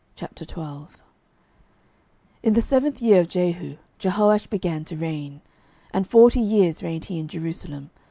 12:012:001 In the seventh year of Jehu Jehoash began to reign; and forty years reigned he in Jerusalem.